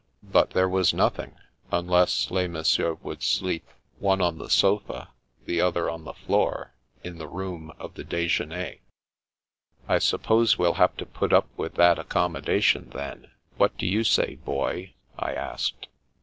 But there was nothing, unless les messieurs The Path of the Moon 1 69 wotild sleep, one on the sofa, the other on the floor, in the room of the " dijeuner'' " I suppose we'll have to put up with that accom modation, then. What do you say, Boy? " I asked.